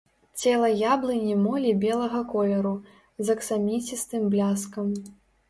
Цела яблыні молі белага колеру, з аксаміцістым бляскам.